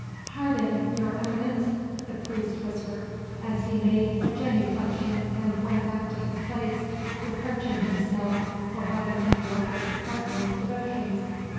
"Pardon, Your Eminence!" the priest whispered, as he made a genuflexion and went back to his place, reproaching himself for having interrupted the Cardinal's devotions.